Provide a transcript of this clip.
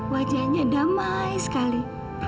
wajahnya damai sekali